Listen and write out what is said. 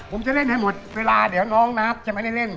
ผมจะเล่นให้หมดเวลาเดี๋ยวน้องนะครับจะไม่ได้เล่น